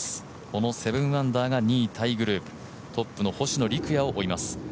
この７アンダーが２位タイグループ、トップの星野陸也を追います。